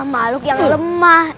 makhluk yang lemah